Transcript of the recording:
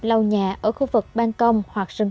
lau nhà ở khu vực ban công hoặc sông